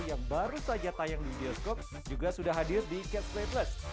yang baru saja tayang di bioskop juga sudah hadir di catch play plus